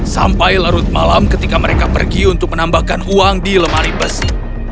sampai larut malam ketika mereka pergi untuk menambahkan uang di lemari besi